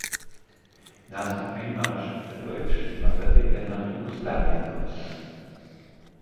Nach dem Einmarsch der Deutschen wanderte er nach Jugoslawien aus.